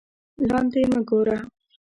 لاندې مه گوره